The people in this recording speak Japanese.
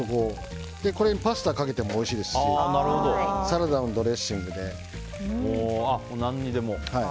これをパスタにかけてもおいしいですしサラダのドレッシングでも。